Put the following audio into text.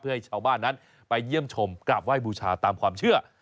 เพื่อให้ชาวบ้านนั้นไปเยี่ยมชมกราบไหว้บูชาตามความเชื่อ